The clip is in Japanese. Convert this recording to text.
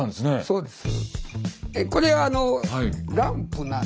そうです。